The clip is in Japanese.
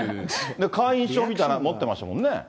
会員証みたいのを持ってましたもんね。